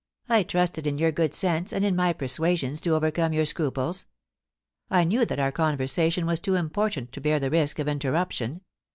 * I trusted in your good sense and in my persuasions to overcome your scruples^ I knew that our conversation was too imj>ortant to bear the risk of interruption.